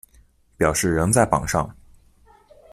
表示仍在榜上